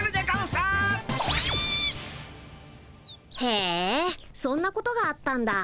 へえそんなことがあったんだ。